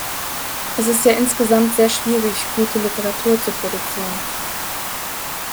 Es ist ja insgesamt sehr schwierig, gute Literatur zu produzieren.